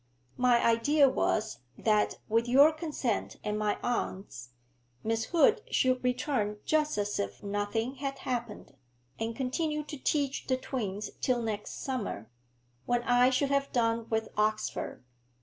'My idea was, that, with your consent and my aunt's, Miss Hood should return just as if nothing had happened, and continue to teach the twins till next summer, when I should have done with Oxford.